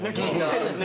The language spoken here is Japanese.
そうですね。